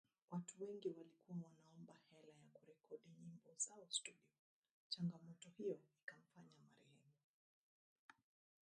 watu wengi walikuwa wanaomba hela ya kurekodi nyimbo zao studio Changamoto hiyo ikamfanya marehemu